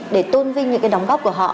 để tôn vinh những cái đóng góp của họ